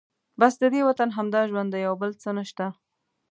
بس ددې وطن همدا ژوند دی او بل څه نشته.